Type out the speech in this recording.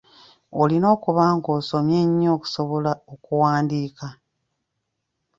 Olina okuba ng'osomye nnyo okusobola okuwandiika.